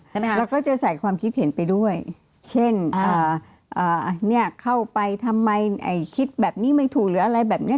เราก็จะใส่ความคิดเห็นไปด้วยเช่นเข้าไปทำไมคิดแบบนี้ไม่ถูกหรืออะไรแบบนี้